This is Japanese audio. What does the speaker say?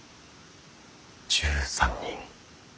１３人。